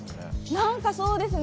なんかそうですね。